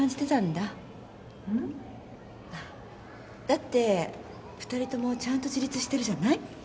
だって２人ともちゃんと自立してるじゃない？